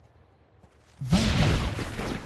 Vingt-quatre.